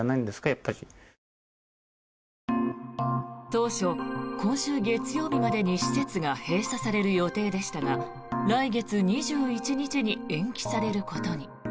当初、今週月曜日までに施設が閉鎖される予定でしたが来月２１日に延期されることに。